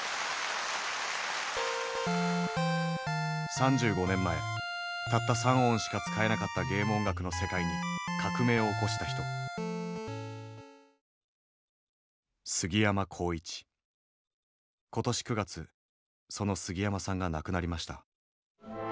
３５年前たった３音しか使えなかったゲーム音楽の世界に革命を起こした人今年９月、そのすぎやまさんが亡くなりました。